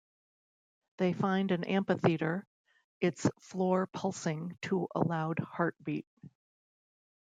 They find an amphitheatre, its floor pulsing to a loud heartbeat.